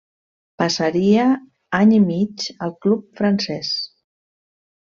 Passaria any i mig al club francés.